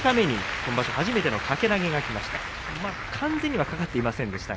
今場所初めての掛け投げでした。